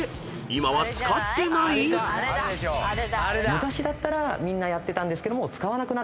昔だったらみんなやってたんですけどもう。